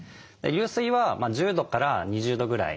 流水は１０度から２０度ぐらい。